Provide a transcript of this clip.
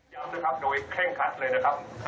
นะครับโดยเคร่งคัดเลยนะครับ